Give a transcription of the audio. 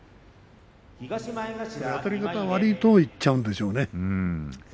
あたり方が悪いといっちゃうんでしょうね。